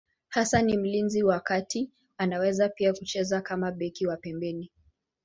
Hasa ni mlinzi wa kati, anaweza pia kucheza kama beki wa pembeni.